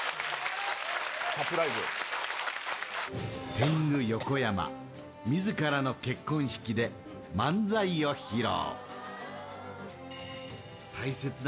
天狗・横山、自らの結婚式で漫才を披露。